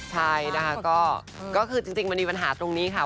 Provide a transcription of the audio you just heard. ใช่นะคะก็คือจริงมันมีปัญหาตรงนี้ค่ะ